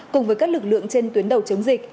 cùng với các lực lượng trên tuyến đầu chống dịch